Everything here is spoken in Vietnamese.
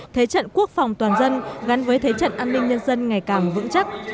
thế trận quốc phòng toàn dân gắn với thế trận an ninh nhân dân ngày càng vững chắc